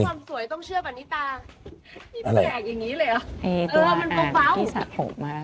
ต้องเชื่อบอันนี้ตาอะไรอย่างงี้เลยอ่ะเออมันเบาที่สระผมมา